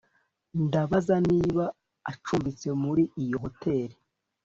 Ndabaza niba acumbitse muri iyo hoteri